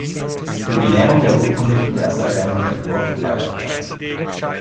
Jubiläum der urkundlichen Ersterwähnung der Burg gefeiert werden.